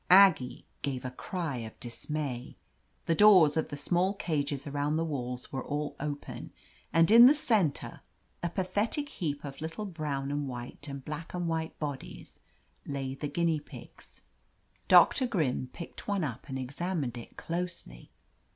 Aggie gave a cry of dismay. The doors of the small cages around the walls were all open, and in the center, a pathetic heap of little brown and white and black and white bodies, lay the guinea pigs. 112 OF LETITIA CARBERRY Doctor Grim picked one up and examined it closely.